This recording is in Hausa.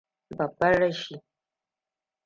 Babban rashi!